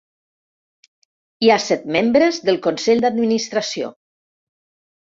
Hi ha set membres del consell d'administració.